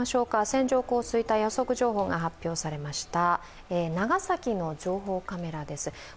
線状降水帯予測情報が発表されました長崎の情報カメラです。